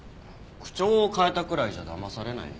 口調を変えたくらいじゃだまされないよ。